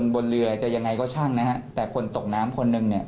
บนเรือจะยังไงก็ช่างนะฮะแต่คนตกน้ำคนหนึ่งเนี่ย